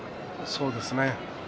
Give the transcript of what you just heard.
そうですね。